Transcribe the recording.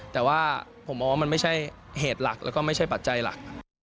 แต่ว่าผมมองว่ามันไม่ใช่เหตุหลักแล้วก็ไม่ใช่ปัจจัยหลัก